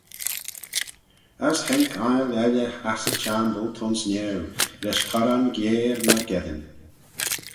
As haink ainle elley ass y chiamble t'ayns niau, lesh corran gyere myrgeddin.